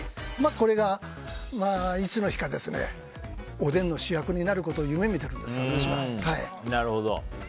これがいつの日かおでんの主役になることを夢見ているんです、私は。